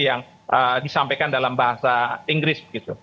yang disampaikan dalam bahasa inggris